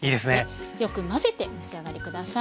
よく混ぜてお召し上がり下さい。